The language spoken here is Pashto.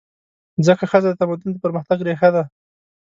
ځکه ښځه د تمدن د پرمختګ ریښه ده.